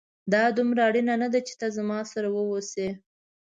دا دومره اړينه نه ده چي ته زما سره واوسې